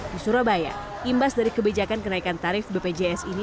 di surabaya imbas dari kebijakan kenaikan tarif bpjs ini